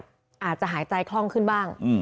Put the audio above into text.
อาจจะหายใจคล่องขึ้นบ้าง